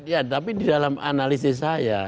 ya tapi di dalam analisis saya